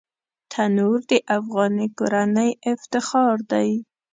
تنور د افغاني کورنۍ افتخار دی